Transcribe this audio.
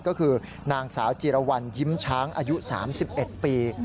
ก็คือนางสาวจีรวรรณยิ้มช้างอายุ๓๑ปี